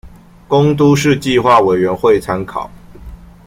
供都市計畫委員會參考